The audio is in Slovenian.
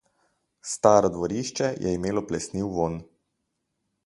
Staro dvorišče je imelo plesniv vonj.